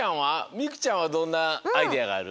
みくちゃんはどんなアイデアがある？